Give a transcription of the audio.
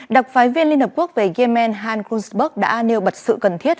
đặc phái viên liên hợp quốc về yemen han golzberg đã nêu bật sự cần thiết